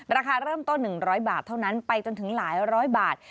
ราคาเริ่มต้น๑๐๐บาทเท่านั้นไปจนถึงหลายร้อยบาท